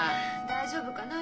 大丈夫かな？